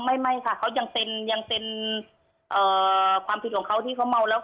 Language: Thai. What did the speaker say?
ไม่ค่ะเขายังเป็นยังเป็นความผิดของเขาที่เขาเมาแล้ว